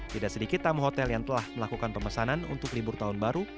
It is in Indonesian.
tidak sedikit tamu hotel yang telah melakukan pemesanan untuk libur tahun baru